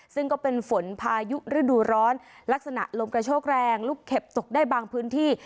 ซึ่งก็เป็นฝนพายุฤดูร้อนลักษณะลมกระโชกแรงลูกเข็บตกได้บางพื้นที่